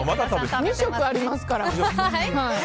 ２食ありますから。